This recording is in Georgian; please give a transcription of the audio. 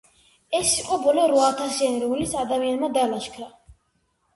ეს იყო ბოლო რვაათასიანი, რომელიც ადამიანმა დალაშქრა.